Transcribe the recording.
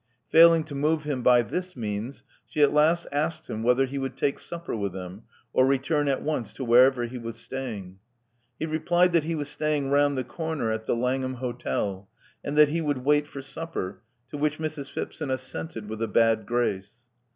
Failing to move him by this means, she at last asked him whether he would take supper with them, or return at once to wherever he was staying. He replied that he was staying round the corner at the Langham Hotel, and that he would wait for supper, to which Mrs, Phipson assented with a bad grace.